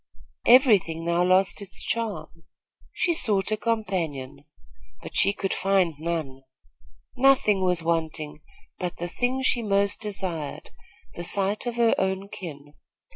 Every thing now lost its charm. She sought a companion; but she could find none. Nothing was wanting but the thing she most desired the sight of her own kin.